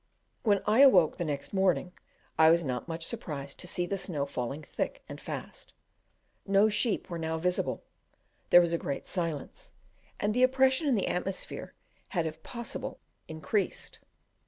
When I awoke the next morning, I was not much surprised to see the snow falling thick and fast: no sheep were now visible, there was a great silence, and the oppression in the atmosphere had if possible increased.